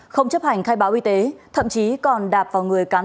không chấp hành khai báo y tế thậm chí còn đạp vào người cán bộ